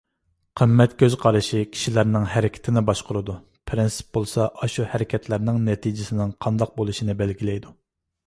قىممەت كۆز قارىشى كىشىلەرنىڭ ھەرىكىتىنى باشقۇرىدۇ. پىرىنسىپ بولسا ئاشۇ ھەرىكەتلەرنىڭ نەتىجىسىنىڭ قانداق بولۇشىنى بەلگىلەيدۇ.